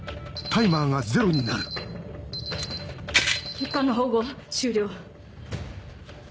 血管の縫合終了。